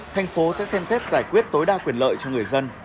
thành phố sẽ xem xét giải quyết tối đa quyền lợi cho người dân